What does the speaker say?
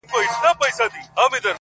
o چي غزل وي چا لیکلی بې الهامه,